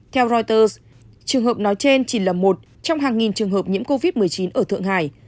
theo reuters trường hợp nói trên chỉ là một trong hàng nghìn trường hợp nhiễm covid một mươi chín ở thượng hải